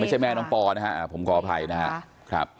ไม่ใช่แม่น้องปอนะฮะผมขออภัยนะครับ